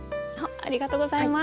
ありがとうございます。